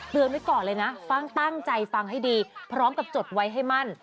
ไว้ก่อนเลยนะฟังตั้งใจฟังให้ดีพร้อมกับจดไว้ให้มั่น